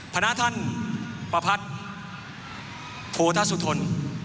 พนัทท่านประพัทธ์โพธาสุทน